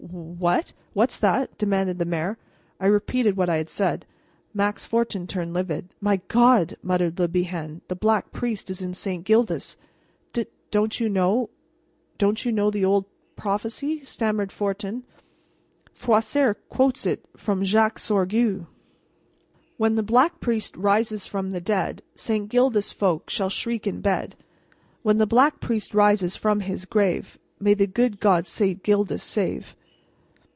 "W h a t what's that?" demanded the mayor. I repeated what I had said. Max Fortin turned livid. "My God!" muttered Le Bihan, "the Black Priest is in St. Gildas!" "D don't you you know the old prophecy?" stammered Fortin; "Froissart quotes it from Jacques Sorgue: "'When the Black Priest rises from the dead, St. Gildas folk shall shriek in bed; When the Black Priest rises from his grave, May the good God St. Gildas save!'"